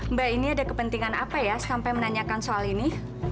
mbak ini ada kepentingan apa ya sampai menanyakan soal ini